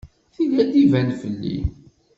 Tili ad d-iban fell-i.